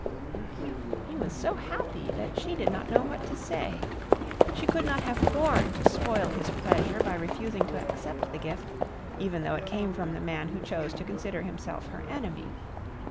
He was so happy that she did not know what to say. She could not have borne to spoil his pleasure by refusing to accept the gift even though it came from the man who chose to consider himself her enemy.